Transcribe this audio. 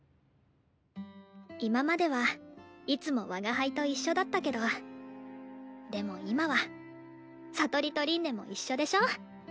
今まではいつも我が輩と一緒だったけどでも今は聡里と凛音も一緒でしょ。